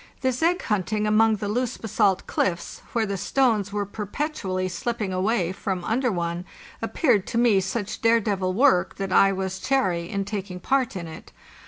This egg hunting among the loose basalt cliffs, where the stones were perpetually slip ping away from under one, appeared to me such dare devil work that I was chary in taking part in it.